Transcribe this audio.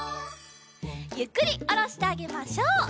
ゆっくりおろしてあげましょう。